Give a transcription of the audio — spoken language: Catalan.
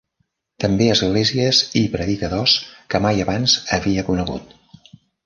També esglésies i predicadors que mai abans havia conegut.